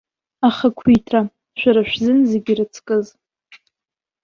Ахақәиҭра, шәара шәзын зегь ирыцкыз.